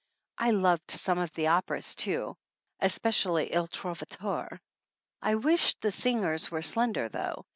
I loved some of the operas, too, especially II Trovatore. I wish the singers were slender, though.